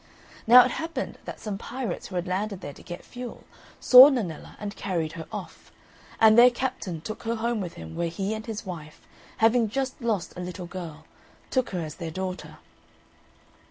Now it happened that some pirates, who had landed there to get fuel, saw Nennella and carried her off; and their captain took her home with him where he and his wife, having just lost a little girl, took her as their daughter.